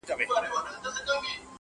o ماښام درېږي نه، سهار گډېږي نه٫